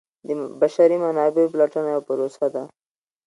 د بشري منابعو پلټنه یوه پروسه ده.